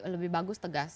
lebih bagus tegas